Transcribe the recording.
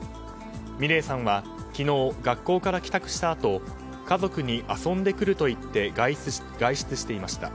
美怜さんは昨日学校から帰宅したあと家族に、遊んでくると言って外出していました。